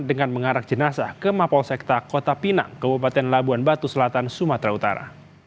dengan mengarak jenazah ke mapolsekta kota pinang kabupaten labuan batu selatan sumatera utara